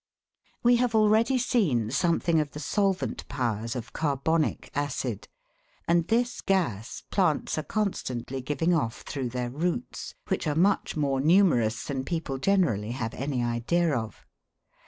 We have already seen something of the solvent powers of carbonic acid, and this gas plants are constantly giving off through their roots, which are much more numerous than people generally have any idea of.